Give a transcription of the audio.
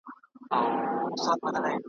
ډک له اوره مي لړمون دی نازوه مي .